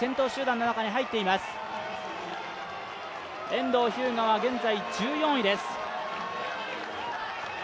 遠藤日向は現在１４位です。